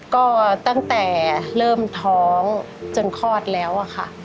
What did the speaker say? ก็ตั้งแต่เริ่มท้องจนคลอดแล้วอะค่ะ